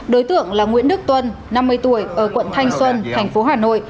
đối tượng là nguyễn đức tuân năm mươi tuổi ở quận thanh xuân thành phố hà nội